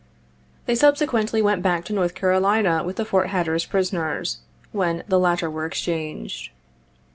They subsequently went back to North Carolina with the Fort Hatteras prisoners, when the latter were exchanged.